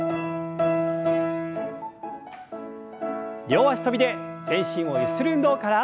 両脚跳びで全身をゆする運動から。